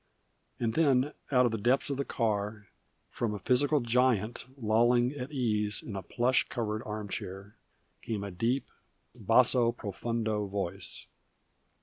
And then out of the depths of the car, from a physical giant lolling at ease in a plush covered arm chair, came a deep, basso profundo voice.